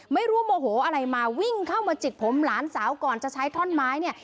โมโหอะไรมาวิ่งเข้ามาจิกผมหลานสาวก่อนจะใช้ท่อนไม้เนี่ย